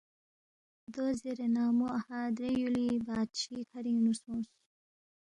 دو زیرے نہ مو اَہا درے یُولی بادشی کھرِنگ نُو سونگس